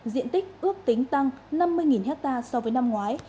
diện tích ước tính tăng năm mươi hectare so với năm ngoái